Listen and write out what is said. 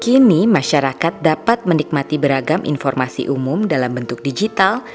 kini masyarakat dapat menikmati beragam informasi umum dalam bentuk digital